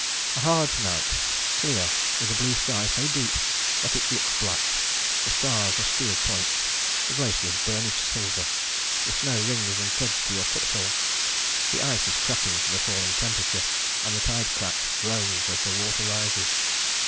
_ A hard night: clear, with a blue sky so deep that it looks black: the stars are steel points: the glaciers burnished silver. The snow rings and thuds to your footfall. The ice is cracking to the falling temperature and the tide crack groans as the water rises.